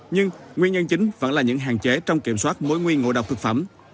nhưng nguyên nhân chính vẫn là những hạn chế trong kiểm soát mối nguyên ngộ độc thực phẩm